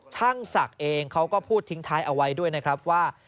ช่างศักดิ์เองเขาก็พูดทิ้งท้ายเอาไว้ด้วยนะครับว่า